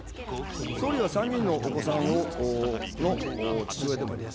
総理は３人のお子さんの父親でもあります。